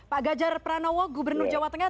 pak ganjar pranowo gubernur jawa tengah